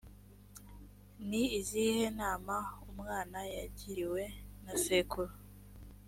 ni izihe nama umwana yagiriwe na sekuru